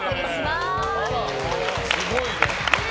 すごいね。